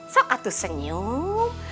sok atau senyum